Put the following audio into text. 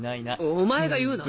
お前が言うな！